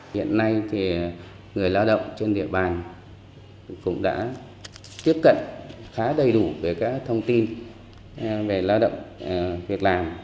hiện nay thì người lao động trên địa bàn cũng đã tiếp cận khá đầy đủ về các thông tin về lao động việc làm